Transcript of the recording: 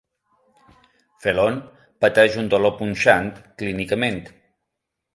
Felon pateix un dolor punxant, clínicament.